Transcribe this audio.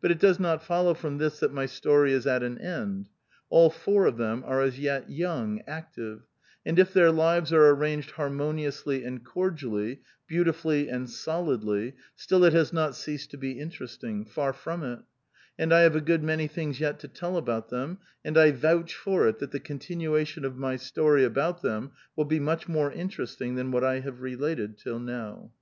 But it does not follow from this that my storj is at end. All four of them are as yet young, active ; and if their lives are aiTanged harmoniously and cordially, beauti fully and solidly, still it has not ceased to be interesting: far from it ; and I have a good many things yet to tell about them ; and I vouch for it that the continuation of my story about them will be much more interesting than what I have related till now.